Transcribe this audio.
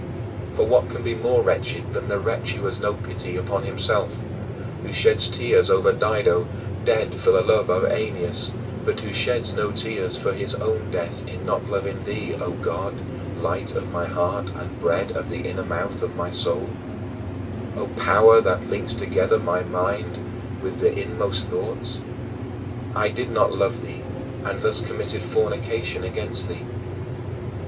21. For what can be more wretched than the wretch who has no pity upon himself, who sheds tears over Dido, dead for the love of Aeneas, but who sheds no tears for his own death in not loving thee, O God, light of my heart, and bread of the inner mouth of my soul, O power that links together my mind with my inmost thoughts? I did not love thee, and thus committed fornication against thee.